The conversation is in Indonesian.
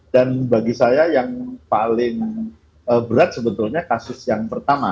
dan bagi saya yang paling berat sebetulnya kasus yang pertama